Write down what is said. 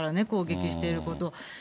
攻撃していることを。